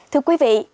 thưa quý vị